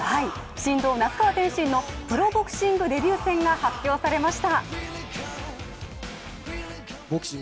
神童・那須川天心のプロボクシングデビュー戦が発表されました。